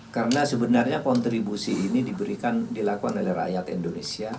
karena sebenarnya kontribusi ini diberikan dilakukan oleh rakyat indonesia